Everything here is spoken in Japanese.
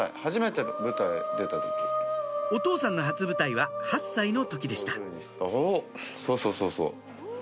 お父さんの初舞台は８歳の時でしたそうそうそう。